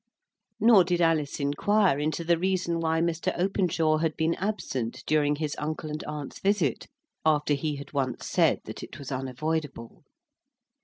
Nor did Alice inquire into the reason why Mr. Openshaw had been absent during his uncle and aunt's visit, after he had once said that it was unavoidable.